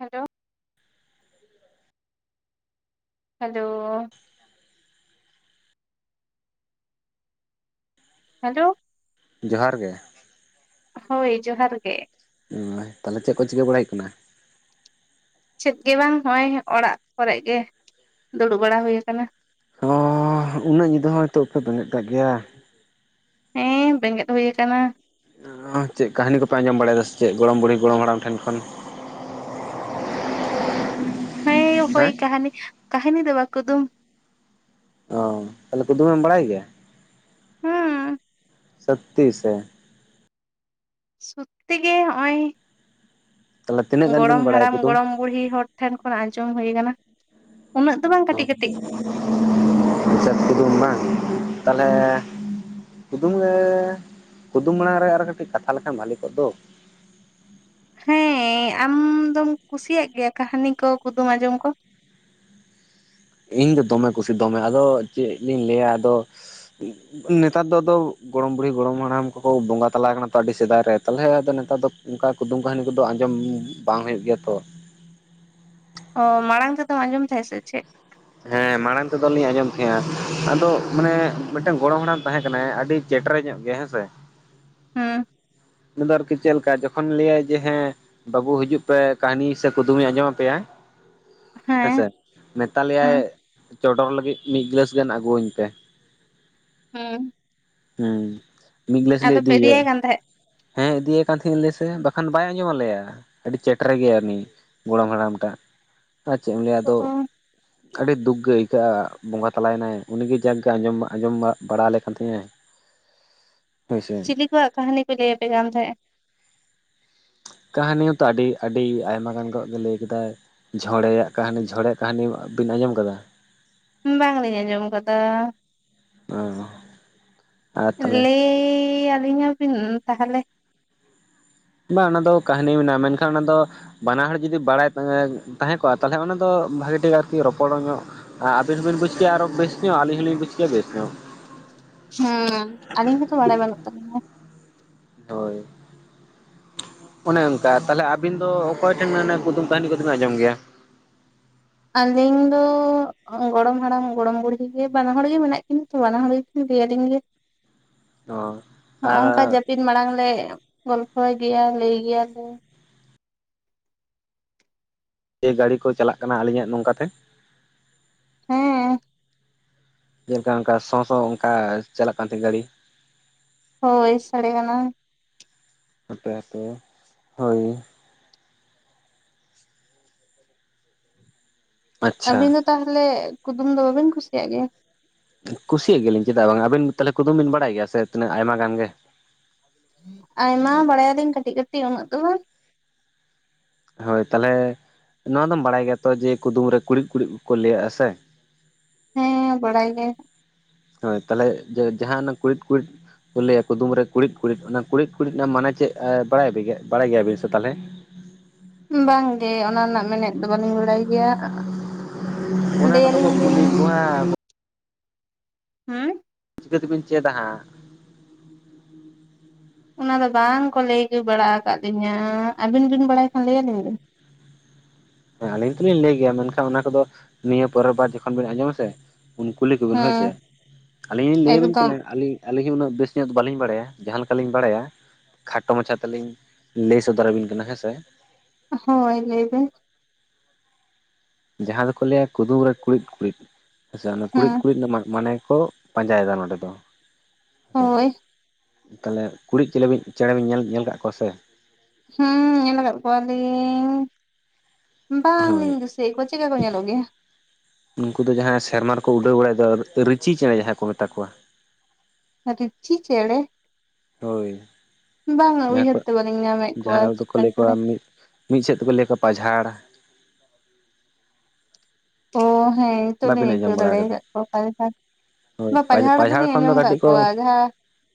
Hello. Hello. Hello. ᱡᱚᱦᱟᱨ ᱜᱮ, ᱦᱳᱭ ᱡᱚᱦᱟᱨ ᱜᱮ, ᱚᱸ ᱛᱟᱦᱚᱞᱮ ᱪᱮᱫ ᱠᱚ ᱪᱤᱠᱟᱹ ᱵᱟᱲᱟᱭ ᱦᱩᱭᱩᱜ ᱠᱟᱱᱟ? ᱪᱮᱫ ᱜᱮ ᱵᱟᱝ ᱦᱚᱭᱼᱚᱭ ᱚᱲᱟᱜ ᱠᱚᱨᱮ ᱜᱮ ᱫᱩᱲᱩᱵ ᱵᱟᱲᱟ ᱦᱩᱭ ᱟᱠᱟᱱᱟ᱾ ᱚᱸ ᱩᱱᱟᱹᱜ ᱧᱤᱫᱟᱹ ᱦᱚᱸ ᱦᱚᱭᱛᱳᱜ ᱯᱮ ᱵᱮᱸᱜᱮᱫ ᱠᱟᱜ ᱜᱮᱭᱟ? ᱦᱮᱸ ᱵᱮᱸᱜᱮᱫ ᱦᱳᱭ ᱟᱠᱟᱱᱟ᱾ ᱪᱮᱫ ᱠᱟᱹᱦᱱᱤ ᱠᱚᱯᱮ ᱟᱸᱡᱚᱢ ᱵᱟᱲᱟᱭᱮᱫᱟ ᱥᱮ ᱪᱮᱫ ᱜᱚᱲᱚᱢ ᱵᱩᱲᱦᱤ ᱜᱚᱲᱚᱢ ᱦᱟᱲᱟᱢ ᱴᱷᱮᱱ ᱠᱷᱚᱱ? ᱦᱮᱸ ᱦᱳᱭ ᱠᱟᱹᱦᱱᱤ ᱠᱟᱹᱦᱱᱤ ᱫᱚ ᱵᱟ ᱠᱩᱫᱩᱢ᱾ ᱚᱻ ᱛᱟᱦᱚᱞᱮ ᱠᱩᱫᱩᱢᱮᱢ ᱵᱟᱲᱟᱭ ᱜᱮᱭᱟ? ᱦᱩᱸ᱾ ᱥᱚᱛᱛᱤ ᱥᱮ? ᱥᱚᱛᱛᱤ ᱜᱮ ᱦᱚᱜᱼᱚᱭ᱾ ᱛᱟᱦᱚᱞᱮ ᱛᱤᱱᱟᱹᱜ ᱜᱟᱱ ᱵᱤᱱ ᱜᱚᱲᱚᱢ ᱵᱟᱲᱟᱭᱟ ᱦᱟᱲᱟᱢ ᱠᱩᱫᱩᱢ ᱜᱚᱲᱚᱢ ᱵᱩᱲᱦᱤ ᱦᱚᱲ ᱴᱷᱮᱱ ᱠᱷᱚᱱ ᱟᱸᱡᱚᱢ ᱦᱩᱭ ᱟᱠᱟᱱᱟ᱾ ᱩᱱᱟᱹᱜ ᱫᱚ ᱵᱟᱝ ᱠᱟᱹᱴᱤᱡ, ᱠᱟᱹᱴᱤᱡ᱾ ᱪᱮᱫ ᱠᱩᱫᱩᱢ ᱵᱟᱝ ᱛᱟᱦᱚᱞᱮ ᱠᱩᱫᱩᱢ ᱨᱮ ᱠᱩᱫᱩᱢ ᱢᱟᱲᱟᱝ ᱨᱮ ᱟᱨ ᱠᱟᱹᱴᱤᱡ ᱠᱟᱛᱷᱟ ᱞᱮᱠᱷᱟᱱ ᱵᱷᱟᱜᱮ ᱠᱚᱜ ᱫᱚ᱾ ᱦᱮᱸ ᱟᱢᱫᱚᱢ ᱠᱩᱥᱤᱭᱟᱜ ᱜᱮᱭᱟ ᱠᱟᱹᱦᱱᱤ ᱠᱚ ᱠᱩᱫᱩᱢ ᱟᱸᱡᱚᱢ ᱠᱚ? ᱤᱧ ᱫᱚ ᱫᱚᱢᱮ ᱠᱩᱥᱤ ᱫᱚᱢᱮ ᱟᱫᱚ ᱪᱮᱫ ᱞᱤᱧ ᱞᱟᱹᱭᱟ ᱟᱫᱚ᱾ ᱱᱮᱛᱟᱨ ᱫᱚ ᱟᱫᱚ ᱜᱚᱲᱚᱢ ᱵᱩᱲᱦᱤ ᱜᱚᱲᱚᱢ ᱦᱟᱲᱟᱢ ᱠᱚᱠᱚ ᱵᱚᱸᱜᱟ ᱛᱟᱞᱟ ᱠᱟᱱᱟ ᱛᱚ ᱟᱹᱰᱤ ᱥᱮᱫᱟᱭ ᱨᱮ᱾ ᱛᱟᱞᱦᱮ ᱟᱫᱚ ᱱᱮᱛᱟᱨ ᱫᱚ, ᱚᱱᱠᱟ ᱠᱩᱫᱩᱢ ᱠᱟᱹᱦᱱᱤ ᱠᱚᱫᱚ ᱟᱸᱡᱚᱢ ᱵᱟᱝ ᱦᱩᱭᱩᱜ ᱜᱮᱭᱟ ᱛᱚ᱾ ᱚ ᱢᱟᱲᱟᱝ ᱛᱮᱫᱚᱢ ᱟᱸᱡᱚᱢ ᱛᱟᱦᱮ ᱥᱮ ᱪᱮᱫ? ᱦᱮᱸ ᱢᱟᱲᱟᱝ ᱛᱮᱫᱚ ᱞᱤᱧ ᱟᱸᱡᱚᱢ ᱛᱟᱦᱮᱸ ᱟᱫᱚ ᱢᱟᱱᱮ ᱢᱤᱫᱴᱟᱝ ᱜᱚᱲᱚᱢ ᱦᱟᱲᱟᱢ ᱛᱟᱦᱮᱸ ᱠᱟᱱᱟᱭ ᱟᱹᱰᱤ ᱪᱮᱴᱮᱨ ᱧᱚᱜ ᱜᱮᱭᱟ ᱦᱮᱸ ᱥᱮ᱾ ᱦᱮᱸ᱾ ᱩᱱᱤ ᱫᱚ ᱟᱨ ᱠᱤ ᱪᱮᱫ ᱞᱮᱠᱟ ᱡᱚᱠᱷᱚᱱ ᱞᱟᱹᱭᱟᱭ ᱡᱮ ᱦᱮᱸ ᱵᱟᱹᱵᱩ ᱦᱤᱡᱩᱜ ᱯᱮ ᱠᱟᱹᱦᱱᱤ ᱥᱮ ᱠᱩᱫᱩᱢ ᱤᱧ ᱟᱸᱡᱚᱢ ᱟᱯᱮᱭᱟ ᱦᱮᱸ ᱦᱮᱸᱥᱮ ᱢᱮᱛᱟᱞᱮᱭᱟᱭ ᱦᱩᱸ ᱪᱚᱰᱚᱨ ᱞᱟᱹᱜᱤᱫ ᱢᱤᱫ ᱜᱤᱞᱟᱹᱥ ᱜᱟᱱ ᱟᱹᱜᱩᱣᱟᱹᱧ ᱯᱮ᱾ ᱦᱮᱸ᱾ ᱦᱮᱸ ᱢᱤᱫ ᱜᱞᱟᱹᱥ ᱞᱮ ᱯᱮ ᱤᱫᱤᱭᱮᱭᱟ᱾ ᱤᱫᱤᱭᱟᱭ ᱠᱟᱱ ᱛᱟᱦᱮᱸᱫ ᱦᱮᱸ ᱤᱫᱤᱭᱟᱭ ᱠᱟᱱ ᱛᱟᱦᱮᱞ ᱜᱮᱞᱮ ᱥᱮ ᱵᱟᱠᱷᱟᱱ ᱵᱟᱭ ᱟᱸᱡᱚᱢ ᱟᱞᱮᱭᱟ᱾ ᱟᱹᱰᱤ ᱪᱮᱴᱮᱨ ᱜᱮᱭᱟ ᱩᱱᱤ ᱜᱚᱲᱚᱢ ᱦᱟᱲᱟᱢ ᱴᱟᱜ ᱟᱨ ᱪᱮᱫ ᱮᱢ ᱞᱟᱹᱭᱟ ᱟᱫᱚ ᱚ ᱟᱹᱰᱤ ᱫᱩᱠ ᱜᱮ ᱟᱹᱭᱠᱟᱹᱜᱼᱟ ᱵᱚᱸᱜᱟ ᱛᱟᱞᱟᱭᱮᱱᱟᱭ ᱩᱱᱤᱜᱮ ᱡᱟᱸᱠᱜᱮ ᱟᱸᱡᱚᱢ ᱟᱸᱡᱚᱢ ᱵᱟᱲᱟ ᱟᱞᱮ ᱠᱟᱱ ᱛᱟᱸᱦᱮ-ᱟᱭ᱾ ᱦᱚᱭ ᱥᱮ᱾ [unintelligible] ᱠᱟᱹᱦᱟᱱᱤ ᱠᱚᱭ ᱞᱟᱹᱭ ᱟᱯᱮ ᱠᱟᱱ ᱛᱟᱦᱮᱸ? ᱠᱟᱹᱦᱱᱤ ᱦᱚᱸᱛᱚ ᱟᱹᱰᱤ ᱟᱹᱰᱤ ᱟᱭᱢᱟ ᱜᱟᱱ ᱜᱮ ᱞᱟᱹᱭ ᱠᱟᱫᱟᱭ᱾ ᱡᱷᱚᱲᱮᱭᱟᱜ ᱠᱟᱦᱱᱤ ᱡᱷᱚᱲᱮᱭᱟᱜ ᱠᱟᱦᱱᱤ ᱵᱤᱱ ᱟᱸᱡᱚᱢ ᱠᱟᱫᱟ? ᱵᱟᱝᱞᱤᱧ ᱟᱸᱡᱚᱢ ᱟᱠᱟᱫᱟ᱾ ᱟᱨ ᱛᱟᱦᱚᱞᱮ ᱞᱟᱹᱭ ᱟᱹᱞᱤᱧᱟ ᱵᱤᱱ ᱛᱟᱦᱚᱞᱮ? ᱵᱟᱝ ᱚᱱᱟ ᱫᱚ ᱠᱟᱹᱦᱱᱤ ᱢᱮᱱᱟᱜᱼᱟ ᱢᱮᱱᱠᱷᱟᱱ ᱚᱱᱟ ᱫᱚ ᱵᱟᱱᱟ ᱦᱚᱲ ᱡᱩᱫᱤ ᱵᱟᱲᱟᱭ ᱛᱟᱦᱮᱸ ᱛᱟᱦᱮᱸ ᱠᱚᱜᱼᱟ ᱛᱟᱦᱚᱞᱮ ᱚᱱᱟ ᱫᱚ ᱵᱷᱟᱹᱜᱤ ᱴᱷᱤᱠ ᱟᱨᱠᱤ ᱨᱚᱯᱚᱲ ᱧᱚᱜ ᱟᱵᱤᱱ ᱦᱚᱸᱵᱤᱱ ᱵᱩᱡ ᱠᱮᱭᱟ ᱟᱨᱚ ᱵᱮᱥ ᱧᱚᱜ ᱟᱹᱞᱤᱧ ᱦᱚᱸᱞᱤᱧ ᱵᱩᱡ ᱠᱮᱭᱟ ᱵᱮᱥ ᱧᱚᱜ᱾ ᱦᱮᱸ ᱟᱹᱞᱤᱧ ᱦᱚᱸᱛᱚ ᱵᱟᱲᱟᱭ ᱵᱟᱹᱱᱩᱜ ᱛᱟᱹᱞᱤᱧᱟ᱾ ᱦᱳᱭ᱾ ᱚᱱᱮ ᱚᱱᱠᱟ ᱛᱟᱞᱦᱮ ᱟᱵᱤᱱ ᱫᱚ ᱚᱠᱚᱭ ᱴᱷᱮᱱ ᱠᱩᱫᱩᱢ ᱠᱟᱹᱦᱱᱤ ᱠᱚᱫᱚ ᱵᱤᱱ ᱟᱸᱡᱚᱢ ᱜᱮᱭᱟ? ᱟᱹᱞᱤᱧ ᱫᱚ ᱜᱚᱲᱚᱢ ᱦᱟᱲᱟᱢ ᱜᱚᱲᱚᱢ ᱵᱩᱲᱦᱤ ᱜᱮ ᱵᱟᱱᱟ ᱦᱚᱲ ᱜᱮ ᱢᱮᱱᱟᱜ ᱠᱤᱱᱟ ᱛᱚ ᱵᱟᱱᱟ ᱦᱚᱲ ᱫᱮᱭᱟ ᱫᱤᱧ ᱜᱮᱼᱼ [inaudible] ᱦᱚᱸᱜ ᱚᱝᱠᱟ ᱟᱨ ᱡᱟᱹᱯᱤᱫ ᱢᱟᱲᱟᱝ ᱞᱮ ᱜᱚᱞᱯᱷᱚᱭ ᱜᱮᱭᱟ ᱞᱟᱹᱭ ᱜᱮᱭᱟᱞᱮ᱾ ᱮ ᱜᱟᱹᱲᱤ ᱠᱚ ᱪᱟᱞᱟᱜ ᱠᱟᱱᱟ ᱟᱹᱞᱤᱧᱟᱜ ᱱᱚᱝᱠᱟᱛᱮ? ᱦᱮᱸ᱾ ᱡᱮᱞᱮᱠᱟ ᱚᱱᱠᱟ ᱥᱚᱸ ᱥᱚᱸ ᱚᱱᱠᱟ ᱪᱟᱞᱟᱜ ᱠᱟᱱ ᱛᱟᱦᱮᱸᱼᱟ ᱜᱟᱹᱲᱤ? ᱦᱳᱭ ᱥᱟᱲᱮ ᱠᱟᱱᱟ ᱦᱟᱯᱮ ᱦᱟᱯᱮ ᱦᱚᱭ ᱟᱪᱪᱷᱟ ᱟᱹᱵᱤᱱ ᱫᱚ ᱛᱟᱦᱚᱞᱮ ᱠᱩᱫᱩᱢ ᱫᱚ ᱵᱟᱵᱤᱱ ᱠᱩᱥᱤᱭᱟᱜ ᱜᱮᱭᱟ ᱠᱩᱥᱤᱭᱟᱜ ᱜᱮᱭᱟᱞᱤᱧ ᱪᱮᱫᱟᱜ ᱵᱟᱝ ᱟᱹᱵᱤᱱ ᱛᱟᱦᱚᱞᱮ ᱠᱩᱫᱩᱢ ᱵᱤᱱ ᱵᱟᱲᱟᱭ ᱜᱮᱭᱟ ᱥᱮ ᱛᱤᱱᱟᱹᱜ ᱟᱭᱢᱟ ᱜᱟᱱ ᱜᱮ ᱟᱭᱢᱟ ᱵᱟᱲᱟᱭ ᱟᱞᱤᱧ ᱠᱟᱹᱴᱤᱡ ᱠᱟᱹᱴᱤᱡ ᱩᱱᱟᱹᱜ ᱫᱚ ᱵᱟᱝ ᱦᱳᱭ ᱛᱟᱦᱚᱞᱮ ᱱᱚᱣᱟ ᱫᱚᱢ ᱵᱟᱲᱟᱭ ᱜᱮᱭᱟ ᱛᱚ ᱡᱮ ᱠᱩᱫᱩᱢ ᱨᱮ ᱠᱩᱲᱤᱫ ᱠᱩᱲᱤᱫ ᱠᱚᱠᱚ ᱞᱟᱹᱭᱟᱜ-ᱟ ᱥᱮ ᱦᱮᱸ ᱵᱟᱲᱟᱭ ᱜᱮᱭᱟᱧ ᱦᱳᱭ ᱛᱟᱦᱚᱞᱮ ᱡᱟᱦᱟᱸ ᱚᱱᱟ ᱠᱩᱬᱤᱫ ᱠᱩᱬᱤᱫ ᱞᱟᱹᱭᱟ ᱠᱩᱫᱩᱢ ᱨᱮ ᱠᱩᱬᱤᱫ ᱠᱩᱬᱤᱫ ᱚᱱᱟ ᱠᱩᱬᱤᱫ ᱠᱩᱬᱤᱫ ᱢᱟᱱᱮ ᱪᱮᱫ ᱵᱟᱲᱟᱭ ᱵᱟᱲᱟᱭ ᱜᱮᱭᱟ ᱵᱤᱱ ᱥᱮ ᱛᱟᱦᱚᱞᱮ ᱵᱟᱝ ᱜᱮ ᱚᱱᱟ ᱨᱮᱱᱟᱜ ᱢᱮᱱᱮᱫ ᱫᱚ ᱵᱟᱹᱞᱤᱧ ᱵᱟᱲᱟᱹᱭ ᱜᱮᱭᱟ ᱚᱱᱟ ᱠᱚᱫᱚ ᱠᱚ ᱞᱟᱹᱭᱟᱞᱤᱧ ᱵᱤᱱ ᱠᱩᱞᱤ ᱠᱚᱣᱟ ᱦᱩᱸ ᱪᱤᱠᱟᱹᱛᱮ ᱵᱤᱱ ᱪᱮᱫᱟ ᱦᱟᱜ ᱚᱱᱟ ᱫᱚ ᱵᱟᱝᱠᱚ ᱞᱟᱹᱭ ᱵᱟᱲᱟ ᱟᱠᱟᱫ ᱞᱤᱧᱟᱹ ᱟᱹᱵᱤᱱ ᱵᱤᱱ ᱵᱟᱲᱟᱭ ᱠᱷᱟᱱ ᱞᱟᱹᱭ ᱟᱞᱤᱧ ᱵᱤᱱ ᱦᱮᱸ ᱟᱹᱞᱤᱧ ᱛᱚᱞᱤᱧ ᱞᱟᱹᱭ ᱜᱮᱭᱟ ᱢᱮᱱᱠᱷᱟᱱ ᱚᱱᱟ ᱠᱚᱫᱚ ᱱᱤᱭᱟᱹ ᱯᱚᱨᱚᱵ ᱵᱟᱨ ᱡᱚᱠᱷᱚᱱ ᱵᱮᱱ ᱟᱸᱡᱚᱢ ᱟᱥᱮ ᱩᱱ ᱠᱩᱞᱤ ᱠᱚᱵᱮᱱ ᱦᱳᱭᱥᱮ ᱦᱮᱸ ᱟᱹᱞᱤᱧ ᱞᱤᱧ ᱞᱟᱹᱭ ᱟᱵᱤᱱ ᱮᱠᱫᱚᱢ ᱠᱟᱱᱟ ᱟᱹᱞᱤᱧ ᱟᱹᱞᱤᱧ ᱦᱚᱸ ᱩᱱᱟᱹᱜ ᱵᱮᱥ ᱧᱚᱜ ᱫᱚ ᱵᱟᱹᱞᱤᱧ ᱵᱟᱲᱟᱭᱟ ᱡᱟᱦᱟᱸ ᱞᱮᱠᱟᱞᱤᱧ ᱵᱟᱲᱟᱭᱟ ᱠᱷᱟᱴᱚ ᱢᱟᱪᱷᱟ ᱛᱮᱞᱤᱧ ᱞᱟᱹᱭ ᱥᱚᱫᱚᱨᱟᱵᱤᱱ ᱠᱟᱱᱟ ᱦᱮᱸᱥᱮ ᱦᱚᱭ ᱞᱟᱹᱭ ᱵᱤᱱ ᱡᱟᱦᱟᱸ ᱫᱚᱠᱚ ᱞᱟᱹᱭᱟ ᱠᱩᱫᱩᱢ ᱨᱮ ᱠᱩᱬᱤᱫ ᱠᱩᱬᱤᱫᱽ ᱟᱪᱷᱟ ᱚᱱᱟ ᱠᱩᱬᱤᱫ ᱦᱮᱸ ᱠᱩᱬᱤᱫ ᱨᱮᱱᱟᱜ ᱢᱟᱱᱮ ᱠᱚ ᱯᱟᱸᱡᱟᱭᱮᱫᱟ ᱱᱚᱰᱮ ᱫᱚ ᱦᱮᱸ ᱦᱳᱭ ᱛᱟᱦᱚᱞᱮ ᱠᱩᱲᱤᱫ ᱪᱮᱠᱮᱵᱤᱱ ᱪᱮᱬᱮ ᱵᱤᱱ ᱧᱮᱞ ᱧᱮᱞ ᱟᱠᱟᱫ ᱠᱚᱣᱟ ᱥᱮ ᱦᱮᱸ ᱧᱮᱞ ᱟᱠᱟᱫ ᱠᱚᱣᱟᱞᱤᱧ ᱦᱳᱭ ᱵᱟᱝᱞᱤᱧ ᱫᱤᱥᱟᱹᱭᱮᱫ ᱠᱚᱣᱟ ᱪᱮᱫᱠᱟ ᱠᱚ ᱧᱮᱞᱚᱜ ᱜᱮᱭᱟ ᱩᱱᱠᱩ ᱫᱚ ᱡᱟᱦᱟᱸᱭ ᱥᱮᱨᱢᱟ ᱨᱮᱠᱚ ᱩᱰᱟᱹᱣ ᱵᱟᱲᱟᱭ ᱫᱚ ᱨᱤᱪᱤ ᱪᱮᱬᱮ ᱡᱟᱦᱟᱸᱭ ᱠᱚ ᱢᱮᱛᱟ ᱠᱚᱣᱟ ᱨᱩᱪᱤ ᱪᱮᱲᱮ ᱦᱳᱭ ᱵᱟᱝᱟ ᱡᱟᱦᱟᱸ ᱠᱚ ᱩᱭᱦᱟᱹᱨ ᱛᱮ ᱵᱟᱹᱞᱤᱧ ᱧᱟᱢᱮᱫ ᱠᱚᱣᱟ ᱡᱟᱦᱟᱸᱭ ᱫᱚᱠᱚ ᱪᱮᱫᱠᱟ ᱞᱟᱹᱭ ᱠᱚᱣᱟ ᱠᱚᱨᱮᱫᱚᱱ ᱢᱤᱫ ᱢᱤᱫ ᱥᱮᱫ ᱛᱮᱠᱚ ᱞᱟᱹᱭ ᱠᱚᱣᱟ ᱯᱟᱡᱷᱟᱲ ᱚ ᱦᱮᱸ ᱱᱤᱛᱚᱜ ᱞᱤᱧ ᱵᱟᱵᱤᱱ ᱟᱸᱡᱚᱢ ᱟᱹᱭᱠᱟᱹᱣ ᱵᱟᱲᱟ ᱫᱟᱲᱮ ᱟᱠᱟᱫᱟ ᱟᱠᱟᱫ ᱠᱚᱣᱟ ᱦᱳᱭ ᱱᱚᱣᱟ ᱯᱟᱡᱷᱟᱲ ᱫᱚᱞᱤᱧ ᱠᱷᱚᱱ ᱫᱚ ᱟᱸᱡᱚᱢ ᱠᱟᱜ ᱠᱟᱹᱴᱤᱡ ᱠᱚ ᱠᱚᱣᱟ ᱡᱟᱦᱟᱸ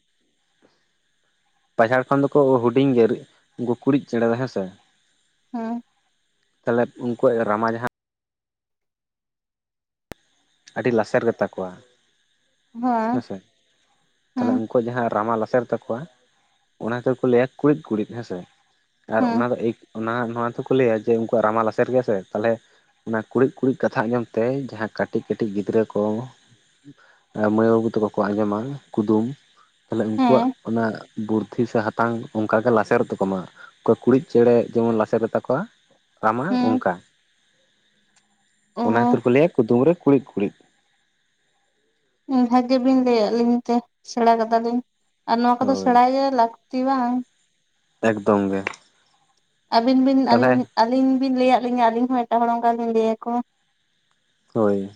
[inaudible] ᱯᱟᱡᱷᱟᱲ ᱠᱷᱚᱱ ᱫᱚᱠᱚ ᱦᱩᱰᱤᱧ ᱜᱮ ᱜᱩᱠᱩᱲᱤᱡ ᱪᱮᱬᱮ ᱫᱚ ᱦᱮᱸ ᱥᱮ ᱦᱮᱸ ᱛᱟᱦᱮᱞᱮ ᱩᱱᱠᱩᱣᱟᱜ ᱨᱟᱢᱟ ᱡᱟᱦᱟᱸ ᱟᱹᱰᱤ ᱞᱟᱥᱮᱨ ᱜᱮ ᱛᱟᱠᱚᱣᱟ ᱦᱮᱸ ᱦᱮᱸᱥᱮ ᱛᱟᱦᱮᱞᱮ ᱦᱮᱸ ᱩᱱ ᱟᱠᱚ ᱡᱟᱦᱟᱸ ᱨᱟᱢᱟ ᱞᱟᱥᱮᱨ ᱛᱟᱠᱚᱣᱟ ᱚᱱᱟ ᱠᱚ ᱠᱚ ᱞᱟᱹᱭᱟ ᱠᱩᱲᱤᱫ ᱠᱩᱲᱤᱫ ᱦᱮᱸ ᱥᱮ ᱟᱨ ᱦᱮᱸ ᱚᱱᱟ ᱫᱚ ᱮ ᱚᱱᱟ ᱱᱚᱣᱟ ᱛᱮᱠᱚ ᱞᱟᱹᱭᱟ ᱡᱮ ᱩᱱᱠᱩᱣᱟᱜ ᱨᱟᱢᱟᱞ ᱞᱟᱥᱮᱨ ᱜᱮᱭᱟ ᱥᱮ ᱛᱟᱦᱮᱞᱮ ᱚᱱᱟ ᱠᱩᱲᱤᱫ ᱠᱩᱲᱤᱫ ᱠᱟᱛᱷᱟ ᱟᱸᱡᱚᱢ ᱛᱮ ᱡᱟᱦᱟᱸ ᱠᱟᱴᱤᱡ ᱠᱟᱹᱴᱤᱡ ᱠᱟᱹᱴᱤᱡ ᱜᱤᱫᱽᱨᱟᱹ ᱠᱚ ᱢᱟᱹᱭ ᱵᱟᱹᱵᱩ ᱛᱮᱠᱚ ᱠᱚ ᱟᱸᱡᱚᱢᱟ ᱠᱩᱫᱩᱢ ᱛᱟᱦᱮᱞᱮ ᱩᱱᱠᱩᱣᱟᱜ ᱦᱮᱸ ᱚᱱᱟ ᱵᱩᱨᱫᱽᱫᱷᱤ ᱥᱮ ᱦᱟᱛᱟᱝ ᱚᱱᱠᱟ ᱜᱮ ᱞᱟᱥᱮᱨ ᱛᱟᱠᱚᱢᱟ ᱚᱠᱚᱭ ᱠᱩᱲᱤᱫ ᱪᱮᱬᱮ ᱡᱮᱢᱚᱱ ᱞᱟᱥᱮᱨ ᱛᱟᱠᱚᱣᱟ ᱨᱟᱢᱟ ᱦᱮᱸ ᱚᱱᱠᱟ ᱚᱱᱟ ᱚ ᱠᱷᱟᱹᱛᱤᱨ ᱠᱚ ᱞᱟᱹᱭᱟ ᱠᱩᱫᱩᱢ ᱨᱮ ᱠᱩᱲᱤᱫ ᱠᱩᱲᱤᱫ ᱵᱷᱟᱹᱜᱤ ᱵᱤᱱ ᱞᱟᱹᱭ ᱟᱫ ᱞᱤᱧ ᱛᱮ ᱥᱮᱬᱟ ᱠᱟᱫᱟᱞᱤᱧ ᱟᱨ ᱱᱚᱣᱟ ᱠᱚᱫᱚ ᱦᱳᱭ ᱥᱮᱬᱟᱭ ᱜᱮ ᱞᱟᱹᱠ ᱛᱤ ᱵᱟᱝ ᱮᱠᱫᱚᱢ ᱜᱮ ᱟᱹᱵᱤᱱ ᱵᱤᱱ ᱟᱹᱞᱤ ᱛᱟᱦᱚᱞᱮ ᱟᱹᱞᱤᱧ ᱵᱤᱱ ᱞᱟᱹᱭᱟᱫ ᱞᱤᱧᱟᱹ ᱟᱹᱞᱤᱧ ᱦᱚᱸ ᱮᱴᱟᱜ ᱦᱚᱲ ᱚᱱᱠᱟᱞᱤᱧ ᱞᱟᱹᱭ ᱟᱠᱚ ᱦᱚᱭ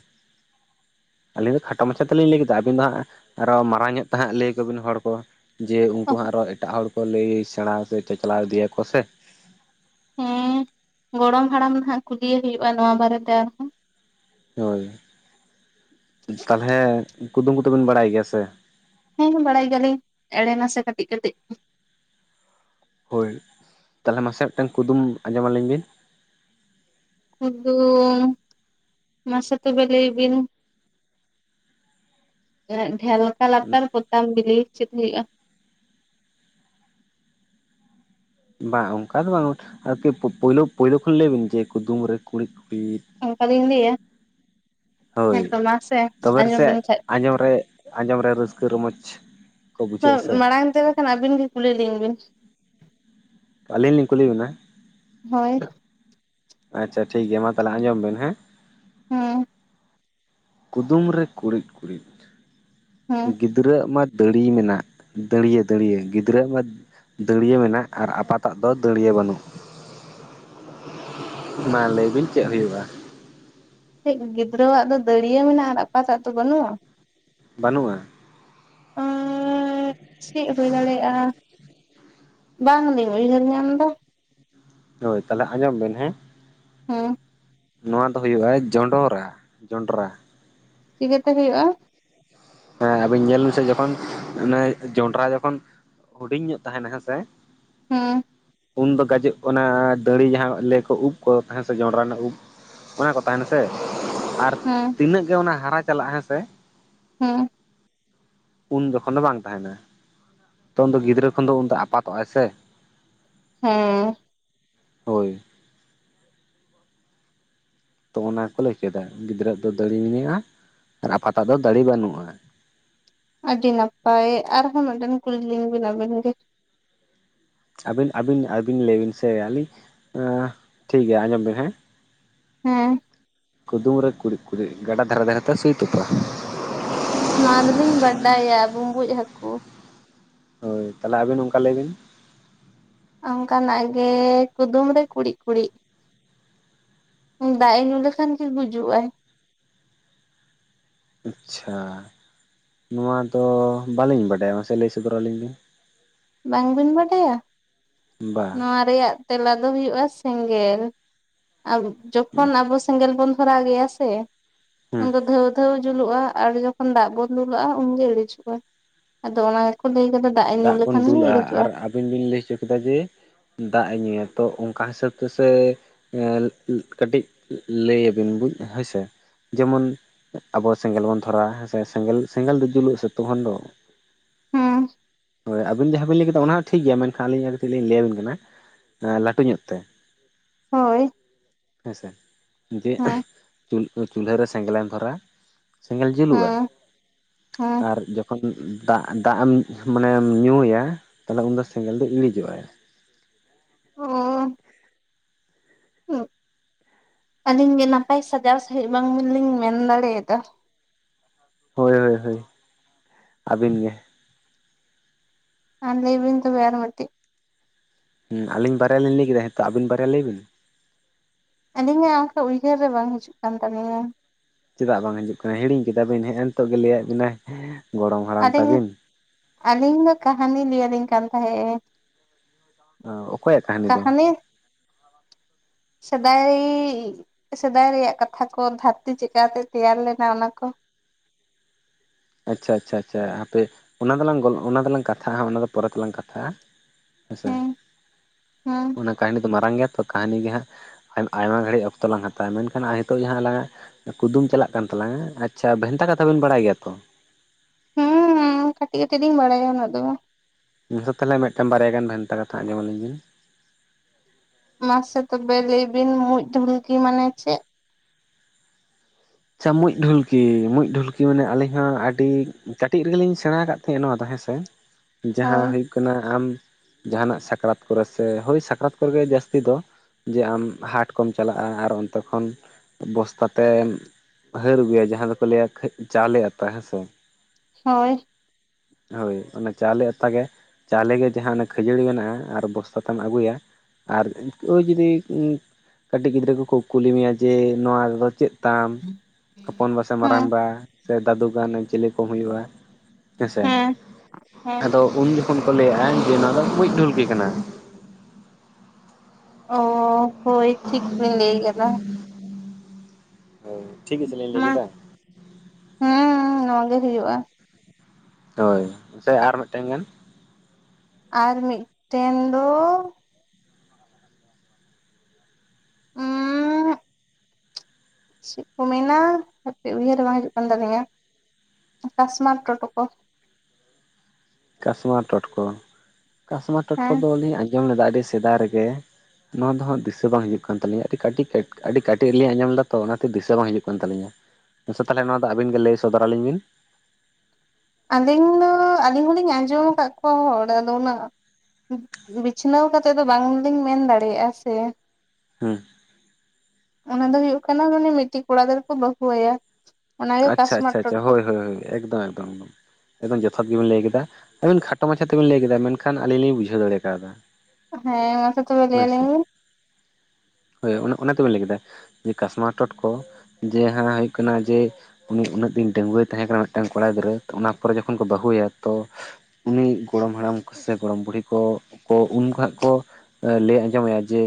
ᱟᱹᱞᱤᱧ ᱫᱚ ᱠᱷᱟᱴᱚ ᱢᱟᱪᱷᱟ ᱛᱮᱞᱤᱧ ᱞᱟᱹᱭ ᱠᱮᱫᱟ ᱟᱹᱵᱤᱱ ᱫᱚ ᱦᱟᱸᱜ ᱟᱨᱚ ᱢᱟᱨᱟᱝ ᱧᱚᱜ ᱛᱮ ᱦᱟᱸᱜ ᱞᱟᱹᱭᱟᱠᱚᱵᱤᱱ ᱦᱚᱲ ᱠᱚ ᱡᱮ ᱩᱱᱠᱩ ᱦᱚᱸᱟᱸ ᱟᱨᱚ ᱮᱴᱟᱜ ᱦᱚᱲ ᱠᱚ ᱞᱟᱹᱭ ᱥᱮᱬᱟ ᱥᱮ ᱪᱟᱪᱞᱟᱣ ᱤᱫᱤᱭᱟᱠᱚ ᱥᱮ ᱦᱮᱸ ᱜᱚᱲᱚᱢ ᱦᱟᱲᱟᱢ ᱱᱟᱜ ᱠᱩᱞᱤᱭᱮ ᱦᱩᱭᱩᱜ-ᱟ ᱱᱚᱣᱟ ᱵᱟᱨᱮᱛᱮ ᱟᱨᱦᱚᱸ ᱦᱚᱭ ᱛᱟᱦᱚᱞᱮ ᱠᱩᱫᱩᱢ ᱠᱚᱛᱮᱵᱤᱱ ᱵᱟᱰᱟᱭ ᱜᱮᱭᱟ ᱥᱮ ᱦᱮᱸ ᱵᱟᱰᱟᱭ ᱜᱮᱭᱟᱞᱤᱧ ᱮᱲᱮ ᱱᱟᱥᱮ ᱠᱟᱹᱴᱤᱡ ᱠᱟᱹᱴᱤᱡ ᱾ ᱦᱳᱭ ᱛᱟᱦᱚᱞᱮ ᱢᱟᱥᱮ ᱢᱤᱫᱴᱟᱝ ᱠᱩᱫᱩᱢ ᱟᱸᱡᱚᱢ ᱟᱹᱞᱤᱧ ᱵᱤᱱ ᱾ ᱠᱩᱫᱩᱻᱢ ᱢᱟᱥᱮ ᱛᱚ ᱵᱮ ᱞᱟᱹᱭ ᱵᱤᱱᱼᱼ ᱰᱷᱮᱞᱠᱟ ᱞᱟᱛᱟᱨ ᱯᱚᱛᱟᱢ ᱵᱤᱞᱤ ᱪᱮᱫ ᱦᱩᱭᱩᱜᱼᱟ? ᱵᱟᱝ ᱚᱱᱠᱟ ᱫᱚ ᱵᱟᱝ ᱟᱨᱠᱤ ᱯᱳᱭᱞᱳ ᱯᱳᱭᱞᱳ ᱠᱷᱚᱱ ᱞᱟᱹᱭ ᱵᱤᱱ ᱡᱮ ᱠᱩᱫᱩᱢ ᱨᱮ ᱠᱩᱲᱤᱫ ᱠᱩᱲᱤᱫ ᱾ ᱚᱱᱠᱟᱞᱤᱧ ᱞᱟᱹᱭᱟ ᱾ [inaudible] ᱦᱳᱭ ᱛᱚᱵᱮ ᱨᱮ ᱟᱸᱡᱚᱢ ᱥᱮ ᱵᱤᱱ ᱠᱷᱟᱡ ᱟᱸᱡᱚᱢ ᱨᱮ ᱟᱸᱡᱚᱢ ᱨᱮ ᱨᱟᱹᱥᱠᱟᱹ ᱨᱚᱢᱚᱡᱽ ᱼᱼ ᱢᱟᱲᱟᱝ ᱛᱮ ᱵᱟᱠᱷᱟᱱ ᱟᱹᱵᱤᱱ ᱜᱮ ᱠᱩᱞᱤ ᱞᱤᱧ ᱵᱤᱱ ᱾ ᱟᱹᱞᱤᱧ ᱞᱤᱧ ᱠᱩᱞᱤ ᱵᱤᱱᱟ? ᱦᱳᱭ ᱾ ᱟᱪᱪᱷᱟ ᱴᱷᱤᱠ ᱜᱮᱭᱟ ᱢᱟ ᱛᱟᱦᱞᱮ ᱟᱸᱡᱚᱢ ᱵᱮᱱ ᱦᱮᱸ ᱾ ᱦᱩᱸ ᱾ ᱠᱩᱫᱩᱢ ᱨᱮ ᱠᱩᱲᱤᱫ ᱠᱩᱲᱤᱫ ᱦᱮᱸ ᱜᱤᱫᱼᱼ ᱜᱤᱫᱽᱨᱟᱹ ᱢᱟ ᱫᱟᱹᱲᱤ ᱢᱮᱱᱟᱜ ᱫᱟᱹᱲᱭᱟᱹ ᱫᱟᱹᱲᱭᱟᱹ ᱜᱤᱫᱽᱨᱟᱹ ᱢᱟ ᱼᱼ ᱫᱟᱹᱲᱭᱟᱹ ᱢᱮᱱᱟᱜ ᱟᱨ ᱟᱯᱟᱛᱟᱜ ᱫᱚ ᱫᱟᱹᱲᱭᱟᱹ ᱵᱟᱹᱱᱩᱜ ᱾ ᱢᱟ ᱞᱟᱹᱭ ᱵᱤᱱ ᱪᱮᱫ ᱦᱳᱭᱳᱜᱼᱟ? ᱜᱤᱫᱽᱨᱟᱹᱣᱟᱜ ᱫᱚ ᱫᱟᱹᱲᱭᱟᱹ ᱢᱮᱱᱟᱜᱼᱟ ᱟᱨ ᱟᱯᱟᱛᱟᱜ ᱫᱚ ᱵᱟᱹᱱᱩᱜᱼᱟ? ᱵᱟᱹᱱᱩᱜᱼᱟ ᱾ ᱟᱸᱻ ᱪᱮᱫ ᱦᱩᱭ ᱫᱟᱲᱮᱭᱟᱜᱼᱟ? ᱵᱟᱝ ᱞᱤᱧ ᱩᱭᱦᱟᱹᱨ ᱧᱟᱢ ᱫᱟ ᱾ ᱦᱳᱭ ᱛᱟᱞᱦᱮ ᱟᱸᱡᱚᱢ ᱵᱤᱱ ᱦᱮᱸ ᱾ ᱦᱩᱸ ᱾ ᱱᱚᱣᱟ ᱫᱚ ᱦᱩᱭᱩᱜᱼᱟ ᱡᱚᱸᱰᱚᱨᱟ ᱡᱚᱸᱰᱽᱨᱟ ᱾ ᱪᱤᱠᱟᱹᱛᱮ ᱦᱩᱭᱩᱜᱼᱟ? ᱦᱮᱸ ᱟᱵᱤᱱ ᱧᱮᱞ ᱵᱤᱱ ᱥᱮ ᱡᱚᱠᱷᱚᱱ ᱚᱱᱮ ᱡᱚᱱᱰᱽᱨᱟ ᱡᱚᱠᱷᱚᱱ ᱼᱼ ᱦᱩᱰᱤᱧ ᱧᱚᱜ ᱛᱟᱦᱮᱱᱟ ᱦᱮᱸ ᱥᱮ ᱾ ᱦᱩᱸ ᱾ ᱩᱱᱫᱚ ᱜᱟᱡᱮ ᱩᱱᱟ ᱫᱟᱹᱲᱩ ᱡᱟᱦᱟᱸ ᱞᱟᱹᱭ ᱟᱠᱚ ᱠᱚ ᱩᱵ ᱠᱚ ᱦᱮ ᱥᱮ ᱡᱚᱱᱰᱽᱨᱟ ᱨᱮᱱᱟᱜ ᱩᱵ ᱼᱼ ᱚᱱᱟ ᱠᱚ ᱛᱟᱦᱮᱱᱟ ᱥᱮ ᱟᱨ ᱼᱼ ᱦᱮᱸ ᱾ ᱛᱤᱱᱟᱹᱜ ᱜᱮ ᱚᱱᱟ ᱦᱟᱨᱟ ᱪᱟᱞᱟᱜ ᱦᱮᱸ ᱥᱮ ᱼᱼ ᱦᱮᱸ ᱾ ᱩᱱ ᱡᱚᱠᱷᱚᱱ ᱫᱚ ᱵᱟᱝ ᱛᱟᱦᱮᱱᱟ ᱛᱚ ᱩᱱ ᱫᱚ ᱜᱤᱫᱽᱨᱟᱹ ᱠᱷᱚᱱ ᱫᱚ ᱩᱱ ᱫᱚ ᱟᱯᱟᱛᱚᱜᱼᱟᱭ ᱥᱮ ᱾ ᱦᱮᱸᱻ ᱦᱳᱭ ᱾ ᱛᱚ ᱚᱱᱟ ᱠᱚ ᱞᱟᱹᱭ ᱦᱚᱪᱚᱭ ᱫᱟ ᱜᱤᱫᱽᱨᱟᱹ ᱫᱚ ᱫᱟᱹᱲᱤ ᱢᱮᱱᱟᱜᱼᱟ ᱟᱨ ᱟᱯᱟᱛᱟᱜ ᱫᱚ ᱫᱟᱹᱲᱤ ᱵᱟᱹᱱᱩᱜᱼᱟ ᱾ ᱟᱹᱰᱤ ᱱᱟᱯᱟᱭ ᱟᱨᱦᱚᱸ ᱢᱤᱫᱴᱟᱝ ᱠᱩᱞᱤ ᱞᱤᱧ ᱵᱮᱱ ᱟᱵᱤᱱ ᱜᱮ ᱾ ᱟᱹᱵᱤᱱ ᱟᱹᱵᱤᱱ ᱟᱹᱵᱤᱱ ᱞᱟᱹᱭ ᱵᱤᱱ ᱥᱮ ᱟᱹᱞᱤᱧ ᱮᱸ ᱴᱷᱤᱠ ᱜᱮᱭᱟ ᱟᱸᱡᱚᱢ ᱵᱤᱱ ᱦᱮᱸ᱾ ᱦᱮᱸ ᱾ ᱠᱩᱫᱩᱢ ᱨᱮ ᱠᱩᱲᱤᱫ ᱠᱩᱲᱤᱫ ᱜᱟᱰᱟ ᱫᱷᱟᱨᱮ ᱫᱷᱟᱨᱮ ᱛᱮ ᱥᱩᱭ ᱛᱚᱯᱟ ᱾ ᱱᱚᱣᱟ ᱫᱚᱞᱤᱧ ᱵᱟᱰᱟᱭᱟ ᱵᱩᱸᱵᱩᱡ ᱦᱟᱹᱠᱩ ᱾ ᱦᱳᱭ ᱛᱟᱞᱦᱮ ᱟᱵᱤᱱ ᱚᱝᱠᱟ ᱞᱟᱹᱭ ᱵᱤᱱ ᱾ ᱚᱱᱠᱟᱱᱟᱜ ᱜᱮ ᱠᱩᱫᱩᱢ ᱨᱮ ᱠᱩᱲᱤᱫ ᱠᱩᱲᱤᱫ ᱼᱼ ᱫᱟᱜ ᱮ ᱧᱩ ᱞᱮᱠᱷᱟᱱ ᱜᱮ ᱜᱩᱡᱩᱜ ᱟᱭ ᱾ ᱟᱪᱷᱟ ᱾ ᱱᱚᱣᱟ ᱫᱚ ᱵᱟᱹᱞᱤᱧ ᱵᱟᱰᱟᱭᱟ ᱢᱟᱥᱮ ᱞᱟᱹᱭ ᱥᱚᱫᱚᱨ ᱟᱹᱞᱤᱧ ᱵᱤᱱ ᱾ ᱵᱟᱝ ᱵᱤᱱ ᱵᱟᱰᱟᱭᱟ ᱵᱤᱱ ᱵᱟ ᱱᱚᱣᱟ ᱼᱼ ᱨᱮᱭᱟᱜ ᱛᱮᱞᱟ ᱫᱚ ᱦᱩᱭᱩᱜᱼᱟ ᱥᱮᱸᱜᱮᱞ ᱡᱚᱠᱷᱚᱱ ᱟᱵᱚ ᱼᱼ ᱥᱮᱸᱜᱮᱞ ᱵᱚᱱ ᱫᱷᱚᱨᱟᱣ ᱜᱮᱭᱟ ᱥᱮ ᱩᱱ ᱦᱩᱸ ᱫᱚ ᱫᱷᱟᱹᱣ ᱼᱼ ᱩᱷᱟᱹᱣ [unintelligible] ᱡᱩᱞᱩᱜᱼᱟ ᱟᱨ ᱡᱚᱠᱷᱚᱱ ᱫᱟᱜ ᱵᱚᱱ ᱫᱩᱞᱟᱜᱼᱟ ᱩᱱᱜᱮ ᱤᱲᱤᱡᱚᱜᱼᱟ ᱟᱫᱚ ᱚᱱᱟ ᱜᱮᱠᱚ ᱞᱟᱹᱭᱠᱟᱫᱟ ᱫᱟᱜ ᱮ ᱧᱩᱭᱟ ᱫᱩᱞᱟᱜᱼᱟ ᱟᱨ ᱟᱹᱵᱤᱱ ᱵᱤᱱ ᱞᱟᱹᱭ ᱚᱪᱚ ᱠᱮᱫᱟ ᱡᱮ ᱫᱟᱜ ᱮ ᱧᱩᱭᱟ ᱛᱚ ᱚᱝᱠᱟ ᱦᱤᱥᱟᱹᱵᱽ ᱛᱮ ᱥᱮ ᱦᱮ ᱠᱟᱹᱴᱤᱡ ᱞᱟᱹᱭᱟᱵᱤᱱ ᱦᱚᱭᱥᱮ ᱡᱮᱢᱚᱱ ᱟᱵᱚ ᱥᱮᱸᱜᱮᱞ ᱵᱚᱱ ᱫᱷᱚᱨᱟᱣᱟ ᱦᱮ ᱥᱮᱸ ᱥᱮᱸᱜᱮᱞ ᱫᱚ ᱡᱩᱞᱩᱜ ᱥᱮ ᱛᱚᱠᱷᱚᱱ ᱫᱚ ᱦᱩᱸ ᱦᱳᱭ ᱟᱹᱵᱤᱱ ᱡᱟᱦᱟᱸ ᱵᱤᱱ ᱞᱟᱹᱭ ᱠᱮᱫᱟ ᱚᱱᱟ ᱦᱚᱸ ᱴᱷᱤᱠ ᱜᱮᱭᱟ ᱢᱮᱱᱠᱷᱟᱱ ᱟᱹᱞᱤᱧ ᱠᱟᱹᱴᱤᱡ ᱞᱤᱧ ᱞᱟᱹᱭᱟᱵᱤᱱ ᱠᱟᱱᱟ ᱦᱮᱸ ᱞᱟᱹᱴᱩ ᱧᱚᱜ ᱛᱮ ᱦᱳᱭ ᱦᱮᱸᱥᱮ ᱡᱮ ᱦᱮᱸ ᱪᱩᱞᱦᱟᱹ ᱨᱮ ᱥᱮᱸᱜᱮᱞ ᱮᱢ ᱫᱷᱚᱨᱟ ᱥᱮᱸᱜᱮᱞ ᱡᱩᱞᱩᱜᱼᱟ ᱦᱮᱸ ᱦᱮᱸ ᱟᱨ ᱡᱚᱠᱷᱚᱱ ᱫᱟᱜ ᱫᱟᱜ ᱮᱢ ᱢᱟᱱᱮᱢ ᱧᱩᱭᱟ ᱛᱟᱵᱮ ᱩᱱ ᱫᱚ ᱥᱮᱸᱜᱮᱞ ᱫᱚᱭ ᱤᱬᱤᱡᱚᱜᱟᱭ ᱚ [unintelligible] ᱟᱹᱞᱤᱧ ᱜᱮ ᱱᱟᱯᱟᱭ ᱥᱟᱡᱟᱣ ᱥᱟᱺᱦᱤᱡ ᱵᱟᱝ ᱞᱤᱧ ᱢᱮᱱ ᱫᱟᱲᱮᱭᱟᱫᱟ ᱦᱳᱭ ᱦᱳᱭ ᱦᱳᱭ ᱟᱹᱵᱤᱱ ᱜᱮ ᱟᱨ ᱞᱟᱹᱭᱵᱤᱱ ᱛᱚᱵᱮ ᱟᱨ ᱢᱤᱫᱴᱤᱜ ᱦ ᱟᱞᱤᱧ ᱵᱟᱨᱭᱟ ᱞᱤᱧ ᱧᱟᱹᱭ ᱠᱮᱫᱟ ᱱᱤᱛᱳ ᱟᱵᱤᱱ ᱵᱟᱨᱭᱟ ᱞᱟᱹᱭ ᱵᱤᱱ ᱟᱹᱞᱤᱧᱟᱜ ᱚᱱᱠᱟ ᱩᱭᱦᱟᱹᱨ ᱨᱮ ᱵᱟᱝ ᱦᱤᱡᱩᱜ ᱠᱟᱱ ᱛᱟᱹᱞᱤᱧᱟ ᱪᱮᱫᱟᱜ ᱵᱟᱝ ᱦᱤᱡᱩᱜ ᱠᱟᱱᱟ ᱦᱤᱲᱤᱧ ᱠᱮᱫᱟ ᱵᱤᱱ ᱦᱮᱸ ᱮ ᱱᱤᱛᱚᱜ ᱜᱮ ᱞᱟᱹᱭᱟᱫ ᱵᱤᱱᱟᱭ ᱜᱚᱲᱚᱢ ᱦᱟᱲᱟᱢ ᱟᱹᱞᱤᱧ ᱛᱟᱵᱤᱱ ᱟᱹᱞᱤᱧ ᱫᱚ ᱠᱟᱹᱦᱟᱱᱤ ᱞᱟᱹᱭᱟᱜ ᱞᱤᱝᱠᱟᱱ ᱛᱟᱦᱮ ᱚᱠᱚᱭᱟᱜ ᱠᱟᱹᱦᱱᱤ ᱫᱚ ᱠᱟᱦᱟᱱᱤ [unintelligible] ᱥᱮᱫᱟᱭ ᱥᱮᱫᱟᱭ ᱨᱮᱭᱟᱜ ᱠᱟᱛᱷᱟ ᱠᱚ ᱫᱷᱟᱹᱨᱛᱤ ᱪᱮᱠᱟᱛᱮ ᱛᱮᱭᱟᱨ ᱞᱮᱱᱟ ᱚᱱᱟ ᱠᱚ ᱟᱪᱪᱷᱟ ᱟᱪᱪᱷᱟ ᱟᱪᱪᱷᱟ ᱦᱟᱯᱮ ᱚᱱᱟ ᱫᱚᱞᱟᱝ ᱜᱳᱞ ᱚᱱᱟ ᱫᱚᱞᱟᱝ ᱠᱟᱛᱷᱟᱜᱼᱟ ᱚᱱᱟᱫᱚ ᱯᱚᱨᱮ ᱫᱚᱞᱟᱝ ᱠᱟᱛᱷᱟᱜᱼᱟ ᱦᱮᱸᱥᱮ ᱦᱮᱸ ᱦᱮᱸ ᱚᱱᱟ ᱠᱟᱹᱦᱱᱤ ᱫᱚ ᱢᱟᱨᱟᱝ ᱜᱮᱭᱟ ᱛᱚ ᱠᱟᱹᱦᱱᱤ ᱜᱮ ᱦᱟᱸᱜ ᱟᱭᱢᱟ ᱜᱷᱟᱹᱲᱤᱡ ᱚᱠᱛᱚ ᱞᱟᱝ ᱦᱟᱛᱣᱟ ᱢᱮᱱᱠᱷᱟᱱ ᱟᱨ ᱱᱤᱛᱚᱜ ᱡᱟᱦᱟᱸ ᱟᱞᱟᱝᱟ ᱠᱩᱫᱩᱢ ᱪᱟᱞᱟᱜ ᱠᱟᱱ ᱛᱟᱞᱟᱝᱟ ᱟᱪᱪᱷᱟ ᱵᱷᱮᱱᱛᱟ ᱠᱟᱛᱷᱟ ᱵᱮᱱ ᱵᱟᱲᱟᱭ ᱜᱮᱭᱟ ᱛᱚ ᱦᱩᱸ ᱦᱩᱸ ᱠᱟᱹᱴᱤᱡ ᱠᱟᱹᱴᱤᱡ ᱫᱩᱧ ᱵᱟᱲᱟᱭᱟ ᱚᱱᱟ ᱫᱚ ᱵᱟᱝ ᱢᱟᱥᱮ ᱛᱟᱦᱚᱞᱮ ᱢᱤᱫᱴᱟᱝ ᱵᱟᱨᱭᱟ ᱜᱟᱱ ᱵᱷᱮᱱᱛᱟ ᱠᱟᱛᱷᱟ ᱟᱸᱚᱢ ᱟᱹᱞᱤᱧ ᱵᱤᱱ ᱢᱟᱥᱮ ᱛᱚᱵᱮ ᱞᱟᱹᱭ ᱵᱤᱱ ᱢᱩᱡ ᱰᱷᱩᱱᱠᱤ ᱢᱟᱱᱮ ᱪᱮᱫ ᱟᱪᱪᱷᱟ ᱢᱩᱸᱡ ᱰᱷᱩᱞᱠᱤ ᱢᱩᱸᱡ ᱰᱷᱩᱞᱠᱤ ᱢᱟᱱᱮ ᱟᱹᱞᱤᱧ ᱦᱚᱸ ᱟᱹᱰᱤ ᱠᱟᱹᱴᱤᱡ ᱨᱮᱜᱮᱞᱤᱧ ᱥᱮᱬᱟ ᱟᱠᱟᱫ ᱛᱟᱦᱮᱸᱜ ᱱᱚᱣᱟ ᱫᱚ ᱦᱮᱸ ᱥᱮ ᱡᱟᱦᱟᱸ ᱦᱳᱭ ᱦᱩᱭᱩᱜ ᱠᱟᱱᱟ ᱟᱢ ᱡᱟᱦᱟᱱᱟᱜ ᱥᱟᱠᱨᱟᱛ ᱠᱚᱨᱮ ᱥᱮ ᱦᱳᱭ ᱥᱟᱠᱨᱟᱛ ᱠᱚᱨᱮ ᱜᱮ ᱡᱟᱹᱥᱛᱤ ᱫᱚ ᱡᱮ ᱟᱢ ᱦᱟᱴ ᱠᱚᱢ ᱪᱟᱞᱟᱜᱼᱟ ᱟᱨ ᱚᱱᱛᱮ ᱠᱷᱚᱱ ᱵᱚᱥᱛᱟ ᱛᱮᱢ ᱦᱟᱹᱨ ᱟᱹᱜᱩᱭᱟ ᱡᱟᱦᱟᱸ ᱫᱚᱠᱚ ᱞᱟᱹᱭᱟ ᱪᱟᱣᱞᱮ ᱟᱛᱟ ᱦᱮᱸ ᱥᱮ ᱦᱳᱭ ᱦᱳᱭ ᱚᱱᱟ ᱪᱟᱣᱞᱮ ᱟᱛᱟ ᱜᱮ ᱪᱟᱣᱞᱮ ᱡᱟᱦᱟᱸ ᱚᱱᱟ ᱠᱷᱟᱹᱡᱟᱹᱲᱤ ᱢᱮᱱᱟᱜᱼᱟ ᱟᱨ ᱵᱚᱥᱛᱟ ᱛᱮᱢ ᱟᱹᱜᱩᱭᱟ ᱟᱨ [inaudible] ᱡᱩᱫᱤ ᱠᱟᱹᱴᱤᱡ ᱜᱤᱫᱽᱨᱟᱹ ᱠᱚᱠᱚ ᱠᱩᱞᱤ ᱢᱮᱭᱟ ᱡᱮ ᱱᱚᱣᱟ ᱨᱮᱫᱚ ᱪᱮᱫ ᱛᱟᱢ [unintelligible] ᱦᱚᱯᱚᱱᱵᱟ ᱥᱮ ᱦᱮᱸ ᱢᱟᱨᱟᱝᱵᱟ ᱥᱮ ᱫᱟᱹᱫᱩ ᱜᱟᱱ ᱪᱤᱞᱤ ᱠᱚᱢ ᱦᱩᱭᱩᱜᱼᱟ ᱦᱮᱸᱥᱮ ᱦᱮᱸ ᱦᱮᱸ ᱟᱫᱚ ᱩᱱ ᱡᱚᱠᱷᱚᱱ ᱠᱚ ᱞᱟᱹᱭᱮᱫᱼᱟ ᱡᱮ ᱱᱚᱣᱟ ᱫᱚ ᱢᱩᱡ ᱰᱷᱚᱞᱠᱤ ᱠᱟᱱᱟ ᱚ ᱦᱳᱭ ᱴᱷᱤᱠ ᱵᱤᱱ ᱞᱟᱹᱭ ᱠᱮᱫᱟ ᱦᱳᱭ ᱴᱷᱤᱠ ᱜᱮ ᱥᱮᱞᱤᱧ ᱞᱟᱹᱭ ᱠᱮᱫᱟ ᱦᱩᱸ ᱱᱚᱶᱟ ᱜᱮ ᱦᱩᱭᱩᱜᱼᱟ ᱦᱳᱭ ᱢᱟᱥᱮ ᱟᱨ ᱢᱤᱫᱴᱮᱱ ᱜᱟᱱ ᱟᱨ ᱢᱤᱫᱴᱮᱱ ᱫᱚ ᱩᱸᱻ ᱪᱮᱫ ᱠᱚ ᱢᱮᱱᱟᱯᱮ ᱩᱭᱦᱟᱹᱨ ᱨᱮ ᱵᱟᱝ ᱦᱤᱡᱩᱜ ᱠᱟᱱ ᱛᱟᱞᱤᱧᱟᱛ [unintelligible] ᱴᱳᱴᱳ ᱠᱚ ᱠᱟᱥᱢᱟ ᱴᱚᱴᱠᱚ, ᱠᱟᱥᱢᱟ ᱴᱚᱴᱠᱚ ᱦᱮᱸ ᱫᱚᱞᱤᱧ ᱟᱸᱡᱚᱢ ᱞᱮᱫᱟ ᱟᱹᱰᱤ ᱥᱮᱫᱟᱭ ᱨᱮᱜᱮ᱾ ᱱᱚᱣᱟ ᱫᱚ ᱦᱟᱸᱜ ᱫᱤᱥᱟᱹ ᱵᱟᱝ ᱦᱤᱡᱩᱜ ᱠᱟᱱ ᱛᱟᱹᱞᱤᱧᱟ᱾ ᱟᱹᱰᱤ ᱠᱟᱹᱴᱤᱡ, ᱟᱹᱰᱤ ᱠᱟᱹᱴᱤᱡ ᱨᱮᱤᱞᱤᱧ ᱟᱸᱡᱚᱢᱚᱜ ᱞᱮᱫᱟ ᱚᱱᱟᱛᱮ ᱫᱤᱥᱟᱹ ᱵᱟᱝ ᱦᱤᱡᱩᱜ ᱠᱟᱱ ᱛᱟᱹᱞᱤᱧᱟ᱾ ᱫᱮᱥᱮ ᱛᱟᱦᱚᱞᱮ ᱱᱚᱣᱟ ᱫᱚ ᱟᱹᱵᱤᱱ ᱜᱮ ᱞᱟᱹᱭ ᱥᱚᱫᱚᱨ ᱟᱹᱞᱤᱧ ᱵᱤᱱ? ᱟᱹᱞᱤᱧ ᱫᱚ ᱟᱹᱞᱤᱧ ᱦᱚᱞᱤᱧ ᱟᱸᱡᱚᱢ ᱟᱠᱟᱫ ᱠᱚᱣᱟ, ᱦᱚᱲ ᱟᱫᱚ ᱚᱱᱟ ᱵᱤᱪᱷᱱᱟᱹᱣ ᱠᱟᱛᱮᱜ ᱫᱚ ᱵᱟᱝ ᱞᱤᱧ ᱢᱮᱱ ᱫᱟᱲᱮᱭᱟᱜᱼᱟ ᱥᱮ᱾ ᱦᱮᱸ ᱚᱱᱟ ᱫᱚ ᱦᱩᱭᱩᱠ ᱠᱟᱱᱟ ᱢᱟᱱᱮ ᱢᱤᱫᱴᱤᱡ ᱠᱚᱲᱟ ᱜᱤᱫᱽᱨᱟᱹ ᱠᱚ ᱵᱟᱹᱦᱩ ᱟᱭᱟ᱾ ᱚᱱᱟᱜᱮ ᱟᱪᱪᱷᱟ ᱠᱟᱥᱢᱟᱨ ᱟᱪᱪᱷᱟ ᱟᱪᱪᱷᱟ ᱴᱚᱴᱠᱚ ᱦᱳᱭ ᱦᱳᱭ ᱦᱳᱭ ᱮᱠᱫᱚᱢ ᱮᱠᱫᱚᱢ ᱮᱠᱫᱚᱢ ᱡᱚᱛᱷᱟᱛ ᱜᱮᱵᱤᱱ ᱞᱟᱹᱭ ᱠᱮᱫᱟ᱾ ᱟᱵᱤᱱ ᱠᱷᱟᱴᱚ ᱢᱟᱪᱷᱟ ᱛᱮᱵᱮᱱ ᱞᱟᱹᱭ ᱠᱮᱫᱟ, ᱢᱮᱱᱠᱷᱟᱱ ᱟᱞᱤᱧ ᱞᱤᱧ ᱵᱩᱡᱷᱟᱹ ᱫᱟᱲᱮ ᱠᱟᱣᱫᱟ᱾ ᱦᱮᱸ ᱢᱟᱥᱮ ᱛᱚᱵᱮ ᱞᱟᱹᱭ ᱦᱳᱭ ᱥᱮ ᱭᱟᱞᱤᱧ ᱵᱤᱱ? ᱦᱳᱭ ᱚᱱᱟ ᱚᱱᱟ ᱛᱮᱵᱮᱱ ᱞᱟᱹᱭ ᱠᱮᱫᱟ᱾ ᱡᱮ ᱠᱟᱥᱢᱟᱨ ᱴᱚᱴᱠᱚ ᱡᱮ ᱦᱟᱜ ᱦᱩᱭᱩᱜ ᱠᱟᱱᱟ ᱡᱮ ᱩᱱᱤ ᱩᱱᱟᱹᱜ ᱫᱤᱱ ᱰᱟᱹᱜᱩᱶᱟ ᱛᱟᱦᱮᱸ ᱠᱟᱱᱟ ᱢᱤᱫᱴᱟᱝ ᱠᱚᱲᱟ ᱜᱤᱫᱽᱨᱟᱹ ᱚᱱᱟ ᱯᱚᱨᱮ ᱡᱚᱠᱷᱚᱱ ᱠᱚ ᱵᱟᱹᱦᱩ ᱟᱭᱟ ᱛᱚ᱾ ᱩᱱᱤ ᱜᱚᱲᱚᱢ ᱦᱟᱲᱟᱢ ᱥᱮ ᱜᱚᱲᱚᱢ ᱵᱩᱲᱦᱤ ᱠᱚ ᱠᱚ ᱩᱱᱠᱩ ᱦᱟᱜ ᱠᱚ ᱞᱟᱹᱭ ᱟᱸᱡᱚᱢᱟᱭᱟ ᱡᱮ